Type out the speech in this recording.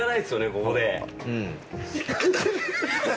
ここで。